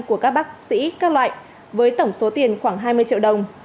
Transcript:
của các bác sĩ các loại với tổng số tiền khoảng hai mươi triệu đồng